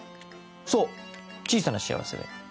そう小さな幸せで。